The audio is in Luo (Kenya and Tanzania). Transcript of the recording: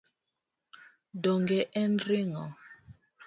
Donge en ring’o